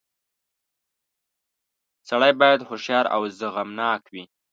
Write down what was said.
• سړی باید هوښیار او زغمناک وي.